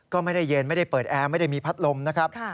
ก็ไม่ได้เย็นไม่ได้เปิดแอร์ไม่ได้มีพัดลมนะครับ